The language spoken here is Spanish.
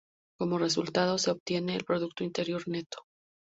Como resultado, se obtiene el producto interior neto.